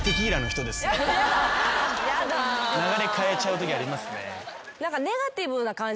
流れ変えちゃうときありますね。